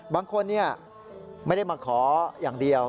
บางคนไม่ได้มาขออย่างเดียว